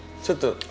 ちょっと？